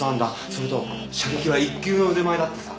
それと射撃は一級の腕前だってさ。